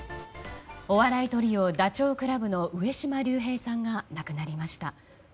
お笑いトリオ、ダチョウ倶楽部の上島竜兵さんが亡くなりました。